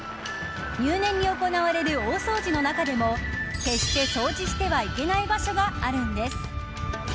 入念に行われる大掃除の中でも決して掃除してはいけない場所があるんです。